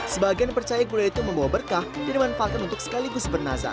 sebagian yang percaya gula itu membawa berkah dinemanfaatkan untuk sekaligus bernazar